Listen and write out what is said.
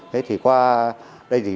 thế thì qua đây thì